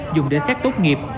dùng để xét tốt nghiệp